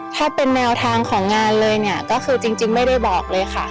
ถ้าเป็นแนวทางของงานเลยเนี่ยก็คือจริงไม่ได้บอกเลยค่ะ